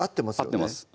合ってます